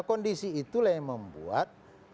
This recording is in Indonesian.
kondisi itu yang membuat